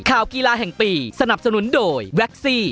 ข่าวกีฬาแห่งปีสนับสนุนโดยแว็กซี่